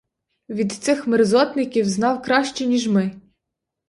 Він цих мерзотників знав краще, ніж ми.